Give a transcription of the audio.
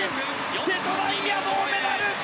瀬戸大也、銅メダル！